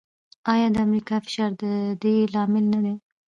آیا د امریکا فشار د دې لامل نه دی؟